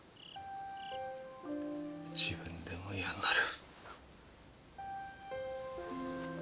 自分でも嫌になる。